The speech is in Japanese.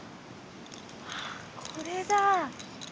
あっこれだ。